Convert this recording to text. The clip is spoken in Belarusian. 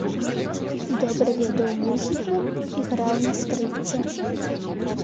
Добра ведаў музыку і граў на скрыпцы.